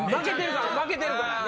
負けてるから。